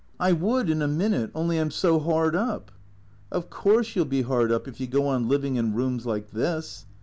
" I would in a minute — only I 'm so hard up." " Of course you '11 be hard up if you go on living in rooms like this."